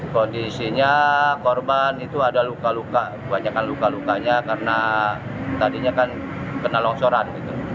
kondisinya korban itu ada luka luka kebanyakan luka lukanya karena tadinya kan kena longsoran